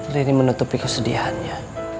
riri menutupi kesedihannya